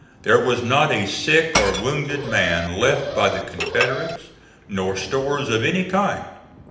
There was not a sick or wounded man left by the Confederates, nor stores of any kind.